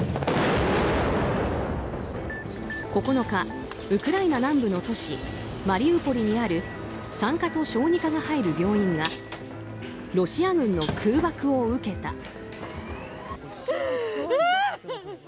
９日、ウクライナ南部の都市マリウポリにある産科と小児科が入る病院がロシア軍の空爆を受けた。